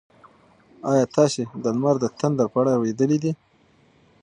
ایا تاسي د لمر د تندر په اړه اورېدلي دي؟